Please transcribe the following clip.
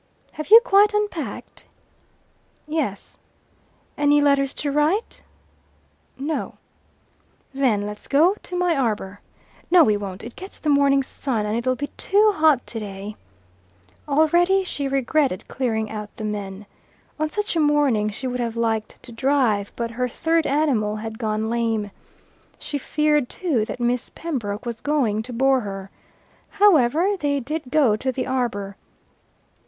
"Have you quite unpacked?" "Yes." "Any letters to write?" No. "Then let's go to my arbour. No, we won't. It gets the morning sun, and it'll be too hot today." Already she regretted clearing out the men. On such a morning she would have liked to drive, but her third animal had gone lame. She feared, too, that Miss Pembroke was going to bore her. However, they did go to the arbour.